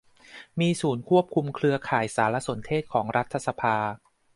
มีศูนย์ควบคุมเครือข่ายสารสนเทศของรัฐสภา